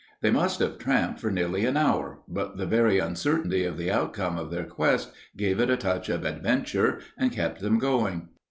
They must have tramped for nearly an hour, but the very uncertainty of the outcome of their quest gave it a touch of adventure and kept them going.